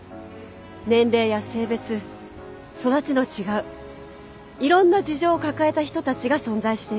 年齢や性別育ちの違ういろんな事情を抱えた人たちが存在している。